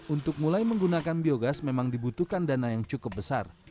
untuk mulai menggunakan biogas memang dibutuhkan dana yang cukup besar